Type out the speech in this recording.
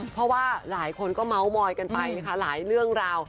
เพราะว่าหลายคนก็เมาส์มอยกันไปนะคะหลายเรื่องราว